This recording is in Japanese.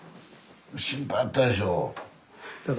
心配やったでしょう。